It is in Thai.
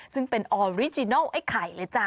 ซึ่งเป็นออริจินัลไอ้ไข่เลยจ้ะ